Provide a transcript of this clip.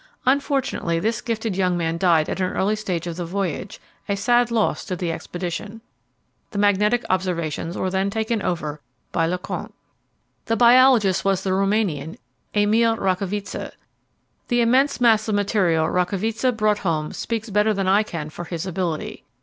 Unfortunately this gifted young man died at an early stage of the voyage a sad loss to the expedition. The magnetic observations were then taken over by Lecointe. The biologist was the Rumanian, Emile Racovitza. The immense mass of material Racovitza brought home speaks better than I can for his ability.